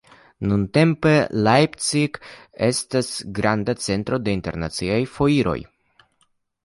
Nuntempe Leipzig estas grava centro de internaciaj foiroj.